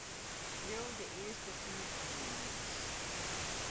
Skriuw de earste fiif alinea's.